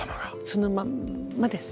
そのまんまです。